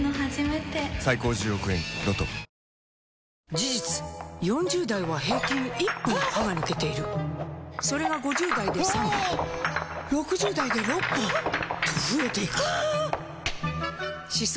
事実４０代は平均１本歯が抜けているそれが５０代で３本６０代で６本と増えていく歯槽